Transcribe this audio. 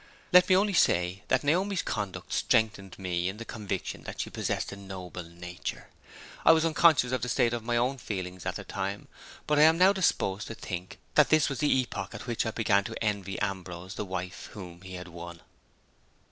Let me only say that Naomi's conduct strengthened me in the conviction that she possessed a noble nature. I was unconscious of the state of my own feelings at the time; but I am now disposed to think that this was the epoch at which I began to envy Ambrose the wife whom he had won.